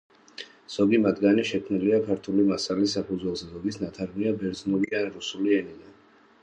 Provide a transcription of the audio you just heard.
ზოგი მათგანი შექმნილია ქართული მასალის საფუძველზე, ზოგიც ნათარგმნია ბერძნული ან რუსული ენიდან.